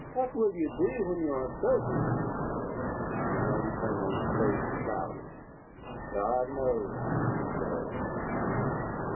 "What will you be when you are thirty?" The young Colonel's face clouded. "God knows!" he said.